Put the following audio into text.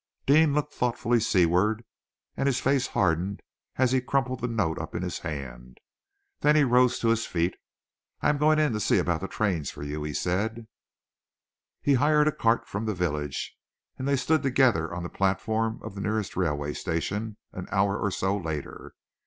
Deane looked thoughtfully seaward, and his face hardened as he crumpled the note up in his hand. Then he rose to his feet. "I am going in to see about the trains for you," he said. He hired a cart from the village, and they stood together on the platform of the nearest railway station, an hour or so later.